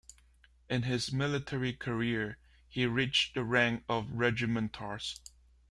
In his military career, he reached the rank of regimentarz.